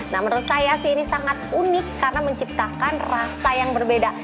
nah menurut saya sih ini sangat unik karena menciptakan rasa yang berbeda